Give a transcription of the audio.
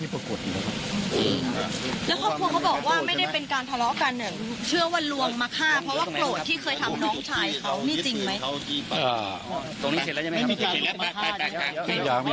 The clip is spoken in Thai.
ที่ประกวดที่นี่ครับ